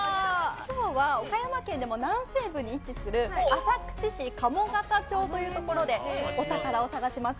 今日は岡山県でも南西部に位置する浅口市鴨方町というところでお宝を探します。